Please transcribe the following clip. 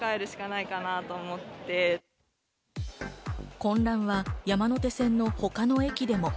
混乱は山手線の他の駅でも。